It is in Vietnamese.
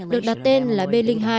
được đặt tên là b hai